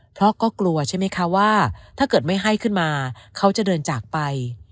เพราะก็กลัวใช่ไหมคะว่าถ้าเกิดไม่ให้ขึ้นมาเขาจะเดินจากไป